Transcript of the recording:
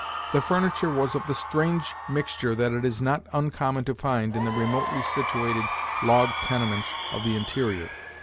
The furniture was of the strange mixture that it is not uncommon to find in the remotely situated log tenements of the interior.